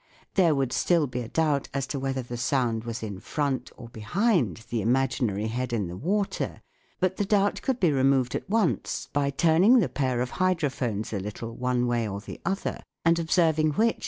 There would still be a doubt as to whether the sound was in front or behind the imaginary head in the water ; but the doubt could be removed at once by turning the pair of hydro phones a little one way or the other and observing which ear now seemed to have the sound.